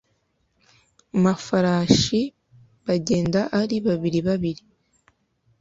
mafarashi bagenda ari babiri babiri